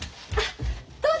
どうぞ。